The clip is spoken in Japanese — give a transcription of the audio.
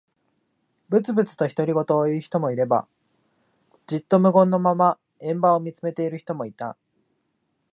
ぶつぶつと独り言を言う人もいれば、じっと無言のまま円盤を見つめている人もいた。